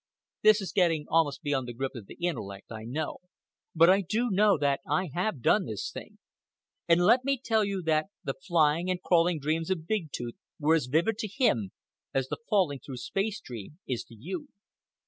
This is getting almost beyond the grip of the intellect, I know; but I do know that I have done this thing. And let me tell you that the flying and crawling dreams of Big Tooth were as vivid to him as the falling through space dream is to you.